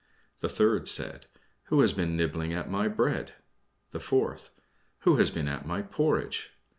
The third said, "Who has been nibbling at my bread?" The fourth, "Who has been at my porridge?"